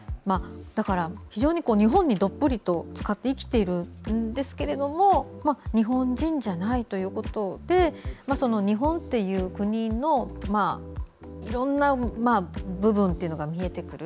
非常に日本にどっぷりとつかって生きているんですけども日本人じゃないということで日本という国のいろんな部分が見えてくる。